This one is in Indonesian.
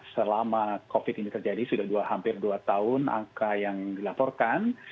selama covid ini terjadi sudah hampir dua tahun angka yang dilaporkan